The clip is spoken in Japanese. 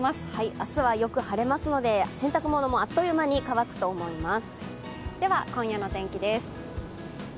明日はよく晴れますので、洗濯物もあっという間に乾くと思います。